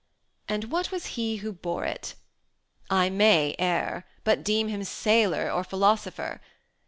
And what was he who bore it? I may err, But deem him sailor or philosopher.